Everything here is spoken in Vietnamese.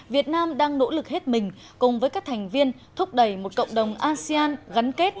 việt nam đang nỗ lực hết mình cùng với các thành viên thúc đẩy một cộng đồng asean gắn kết